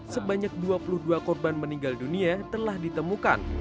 sebanyak dua puluh dua korban meninggal dunia telah ditemukan